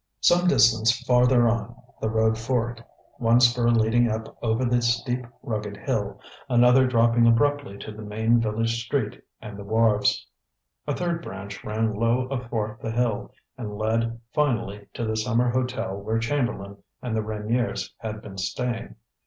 Some distance farther on, the road forked, one spur leading up over the steep rugged hill, another dropping abruptly to the main village street and the wharves. A third branch ran low athwart the hill and led, finally, to the summer hotel where Chamberlain and the Reyniers had been staying.